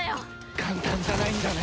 簡単じゃないんだね